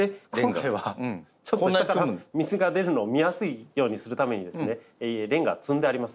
で今回はちょっと下から水が出るのを見やすいようにするためにレンガを積んであります。